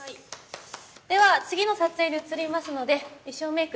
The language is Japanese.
では次の撮影に移りますので衣装メイク